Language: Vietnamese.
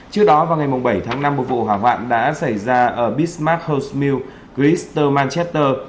trước đó vào ngày bảy tháng năm một vụ hỏa hoạn đã xảy ra ở bismarck house mills glitter manchester